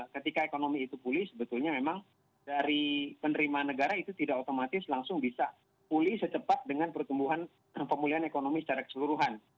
ketika ekonomi itu pulih sebetulnya memang dari penerimaan negara itu tidak otomatis langsung bisa pulih secepat dengan pertumbuhan pemulihan ekonomi secara keseluruhan